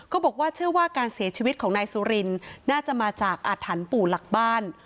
บอกว่าเชื่อว่าการเสียชีวิตของนายสุรินน่าจะมาจากอาถรรพ์ปู่หลักบ้าน